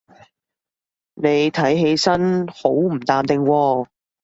你睇起身好唔淡定喎